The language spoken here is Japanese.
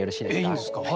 えっいいんですか。